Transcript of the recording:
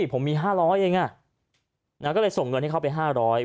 ผมมีห้าร้อยเองอ่ะอ่าก็เลยส่งเงินให้เขาไปห้าร้อย